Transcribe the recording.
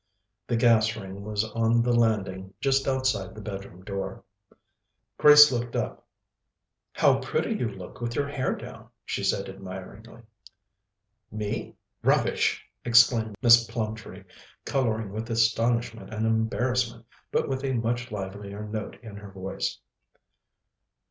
The gas ring was on the landing just outside the bedroom door. Grace looked up, "How pretty you look with your hair down!" she said admiringly. "Me? Rubbish!" exclaimed Miss Plumtree, colouring with astonishment and embarrassment, but with a much livelier note in her voice.